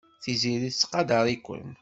Tiziri tettqadar-iken.